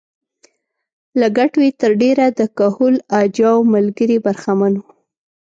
له ګټو یې تر ډېره د کهول اجاو ملګري برخمن وو